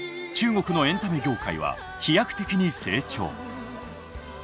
中国のエンタメ業界は飛躍的に成長。